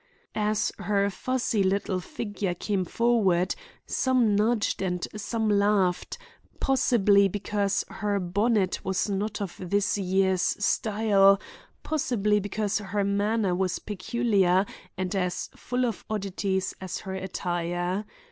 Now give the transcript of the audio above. As her fussy little figure came forward, some nudged and some laughed, possibly because her bonnet was not of this year's style, possibly because her manner was peculiar and as full of oddities as her attire.